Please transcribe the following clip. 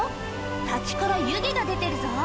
滝から湯気が出てるぞ